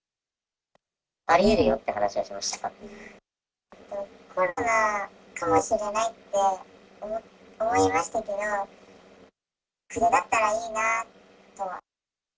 ありえるよっていう話はしまコロナかもしれないって思いましたけど、かぜだったらいいなとは。